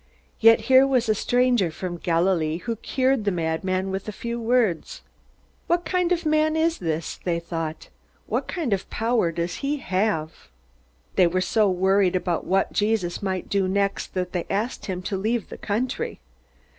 Yet here was a stranger from Galilee who cured the madman with a few words. What kind of man is this? they thought. What kind of power does he have? They were so worried about what Jesus might do next that they asked him to leave the country.